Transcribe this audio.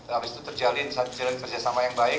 habis itu terjalin kerjasama yang baik